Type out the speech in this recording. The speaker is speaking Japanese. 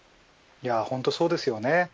本当にそうですよね。